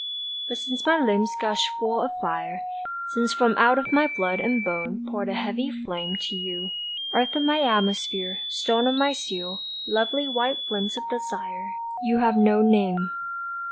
But since my limbs gushed full of fire, Since from out of my blood and bone Poured a heavy flame To you, earth of my atmosphere, stone Of my steel, lovely white flint of desire, You have no name.